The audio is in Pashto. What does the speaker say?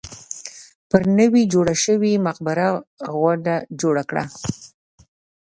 پر نوې جوړه شوې مقبره غونډه جوړه کړه.